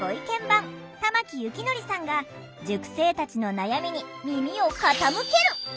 番玉木幸則さんが塾生たちの悩みに耳を傾ける。